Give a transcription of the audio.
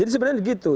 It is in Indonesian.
jadi sebenarnya begitu